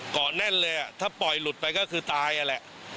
แน่นเลยถ้าปล่อยหลุดไปก็คือตายนั่นแหละ